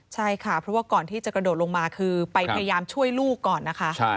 ใช่ค่ะเพราะว่าก่อนที่จะกระโดดลงมาคือไปพยายามช่วยลูกก่อนนะคะ